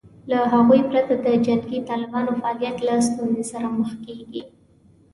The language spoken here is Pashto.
له هغوی پرته د جنګي طالبانو فعالیت له ستونزې سره مخ کېږي